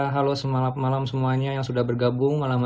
halo semalam malam semuanya yang sudah bergabung